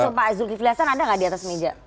pengusul pak azul tiflihastan ada nggak di atas meja